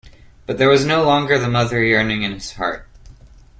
But there was no longer the mother yearning in his heart.